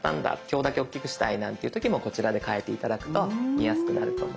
今日だけ大きくしたいなんていう時もこちらで変えて頂くと見やすくなると思います。